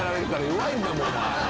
弱いんだもんお前。